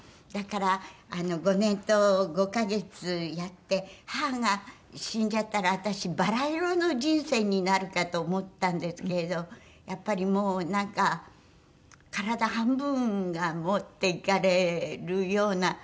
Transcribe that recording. だから５年と５カ月やって母が死んじゃったら私バラ色の人生になるかと思ったんですけれどやっぱりもうなんか体半分が持っていかれるような。